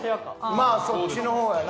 まあそっちの方やな。